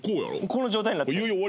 この状態になった。